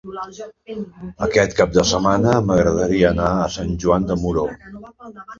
Aquest cap de setmana m'agradaria anar a Sant Joan de Moró.